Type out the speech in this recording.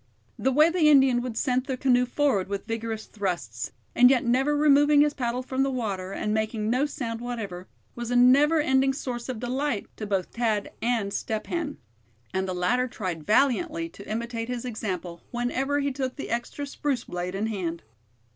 The way the Indian would sent the canoe forward with vigorous thrusts, and yet never removing his paddle from the water, and making no sound whatever, was a never ending source of delight to both Thad and Step Hen. And the latter tried valiantly to imitate his example whenever he took the extra spruce blade in hand.